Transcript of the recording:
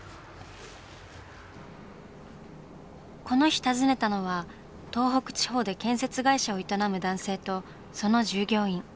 この日訪ねたのは東北地方で建設会社を営む男性とその従業員。